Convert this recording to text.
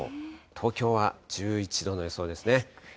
東京は１１度の予想ですね。